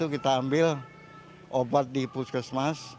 kita ambil obat di puskesmas